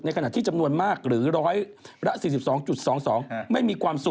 ในขณะที่จำนวนมากหรือ๑๔๒๒๒ไม่มีความสุข